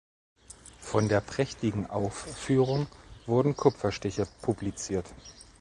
Von der prächtigen Aufführung wurden Kupferstiche publiziert.